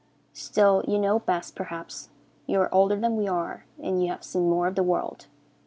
Still, you know best, perhaps. You are older than we are, and you have seen more of the world.